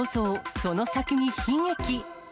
その先に悲劇。